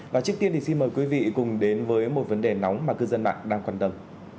và trước tiên thì xin mời quý vị cùng đến với một vấn đề nóng mà cư dân mạng đang quan tâm